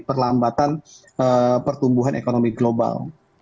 perlambatan pertumbuhan ekonomi global